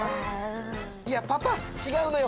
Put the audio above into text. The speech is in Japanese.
いやパパちがうのよ。